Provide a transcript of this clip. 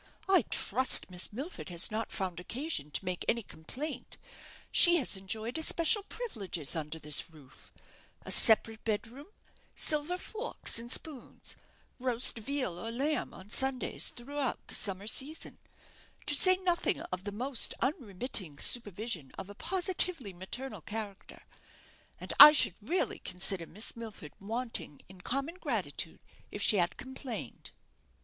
"I trust Miss Milford has not found occasion to make any complaint; she has enjoyed especial privileges under this roof a separate bed room, silver forks and spoons, roast veal or lamb on Sundays, throughout the summer season to say nothing of the most unremitting supervision of a positively maternal character, and I should really consider Miss Milford wanting in common gratitude if she had complained."